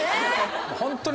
ホントに。